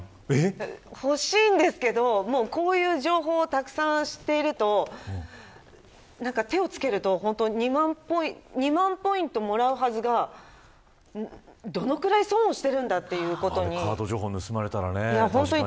欲しいんですけどもう、こういう情報をたくさん知っていると手をつけると本当に２万ポイントもらうはずがどのくらい損をしているんだカード情報盗まれたら確かに。